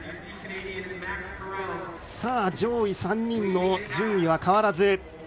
上位３人の順位は変わらず。